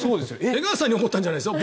江川さんに怒ったんじゃないですよ